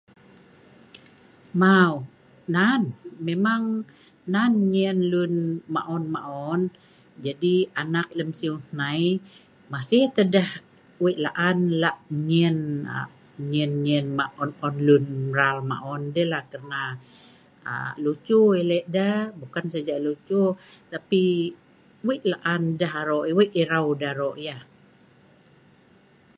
Mau, nan, memang nan nyen lun maon-maon jadi anak lem siu hnai masih tah deh wei' laan lah nyen, aa nyen-nyen mah' on-on lun mral maon' dei lah, kalna aa lucu yah Leh deh, bukan saja lucu, tapi wei' laan deh aro', wei' irau deh aro' yah.